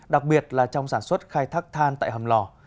đặc biệt là trong sản xuất khai thác than tại hầm lò